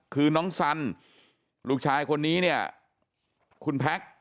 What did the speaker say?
คือน้องสันลูกชายคนนี้เนี่ยคุณแพ็ค